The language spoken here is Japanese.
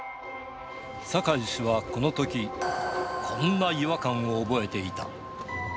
酒井氏はこのとき、こんな違和感を覚えていた。